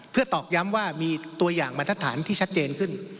เพื่อตอกย้ำว่ามีตัวอย่างบรรทัศนที่ชัดเจนขึ้น